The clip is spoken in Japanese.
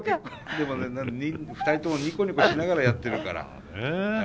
でもね２人ともニコニコしながらやってるから。